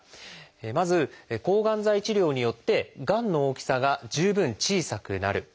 まず抗がん剤治療によってがんの大きさが十分小さくなる。